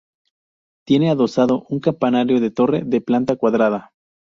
Tiene adosado un campanario de torre de planta cuadrada.